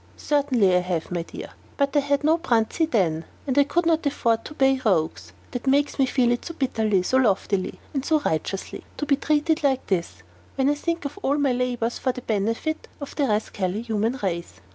"Certainly I have, my dear; but I had no Bruntsea then, and could not afford to pay the rogues. That makes me feel it so bitterly, so loftily, and so righteously. To be treated like this, when I think of all my labors for the benefit of the rascally human race!